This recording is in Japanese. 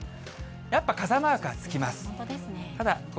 やっぱ傘マークはつきます。